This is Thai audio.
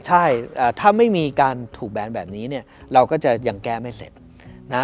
ใช่ถ้าไม่มีการถูกแบนแบบนี้เนี่ยเราก็จะยังแก้ไม่เสร็จนะ